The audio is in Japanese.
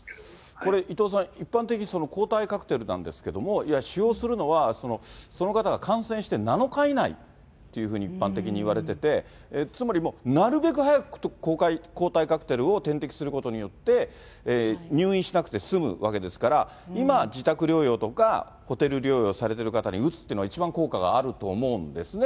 これ、伊藤さん、一般的に抗体カクテルなんですけれども、使用するのは、その方が感染して７日以内っていうふうに一般的にいわれてて、つまりもう、なるべく早く抗体カクテルを点滴することによって、入院しなくて済むわけですから、今、自宅療養とかホテル療養されてる方に打つというのは一番効果があると思うんですね。